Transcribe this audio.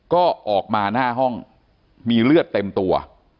ก็ออกมาหน้าห้องมีเลือดเต็มตัว